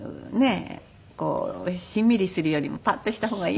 こうしんみりするよりもパッとした方がいい。